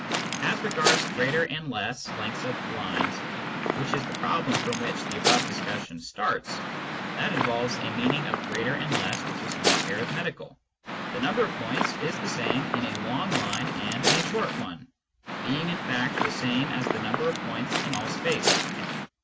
As regards greater and less lengths of lines, which is the problem from which the above discussion starts, that involves a meaning of greater and less which is not arithmetical. The number of points is the same in a long line and in a short one, being in fact the same as the number of points in all space.